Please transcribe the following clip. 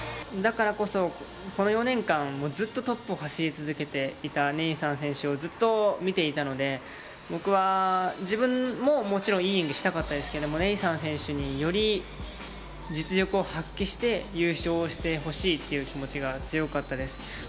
だからこそ、この４年間もうずっとトップを走り続けていたネイサン選手をずっと見ていたので、僕は自分ももちろんいい演技をしたかったですけどネイサン選手により実力を発揮して優勝してほしいという気持ちが強かったです。